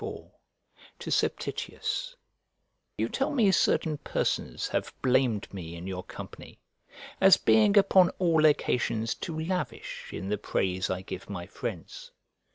LXXXIV To SEPTITIUS You tell me certain persons have blamed me in your company, as being upon all occasions too lavish in the praise I give my friends.